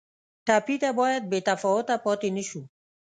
ټپي ته باید بې تفاوته پاتې نه شو.